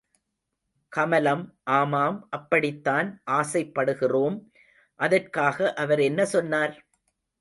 கமலம் ஆமாம் அப்படித்தான் ஆசைப்படுகிறோம், அதற்காக அவர் என்ன சொன்னார்?